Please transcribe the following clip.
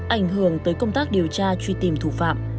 ảnh hưởng tới công tác điều tra truy tìm thủ phạm